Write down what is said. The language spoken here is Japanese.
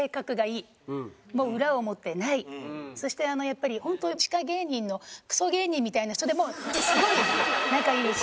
そしてやっぱりホント地下芸人のクソ芸人みたいな人でもすごい仲いいし。